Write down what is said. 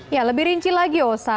ya lebih rinci lagi osa